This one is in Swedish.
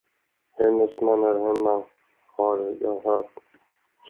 Hennes man är hemma, har jag hört.